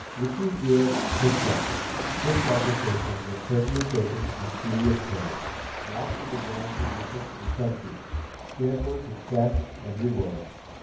Vicki's ears pricked up. This conversation was certainly taking a curious turn! Now she began listening intently, careful to catch every word.